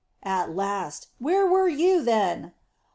"At last. Where were you, then?"